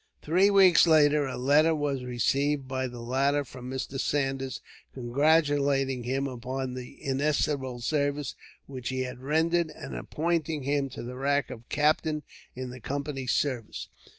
Three weeks later, a letter was received by the latter from Mr. Saunders, congratulating him upon the inestimable service which he had rendered, and appointing him to the rank of captain in the Company's service.